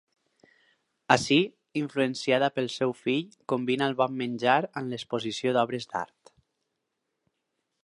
Aquí, influenciada pel seu fill, combina el bon menjar amb l'exposició d'obres d'art.